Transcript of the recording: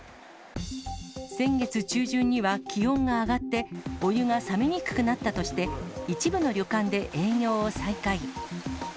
先月中旬には気温が上がって、お湯が冷めにくくなったとして、一部の旅館で営業を再開。